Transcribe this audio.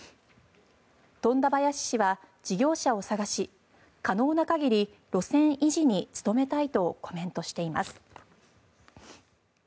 富田林市は事業者を探し可能な限り路線維持に努めたいとコメントしています。